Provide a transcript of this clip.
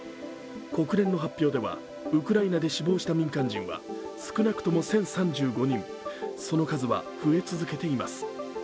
国連の発表ではウクライナで死亡した民間人は少なくとも１０３５人、その数は増え続けています。